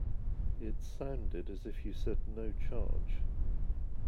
It sounded as if you said no charge.